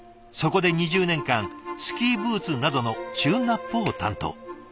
そこで２０年間スキーブーツなどのチューンナップを担当。